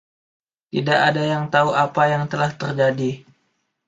Tidak ada yang tahu apa yang telah terjadi.